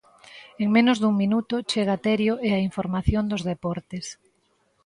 En menos dun minuto chega Terio e a información dos deportes.